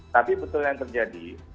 tapi betul yang terjadi